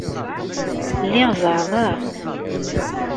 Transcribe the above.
Lliɣ zeɛɛḍeɣ.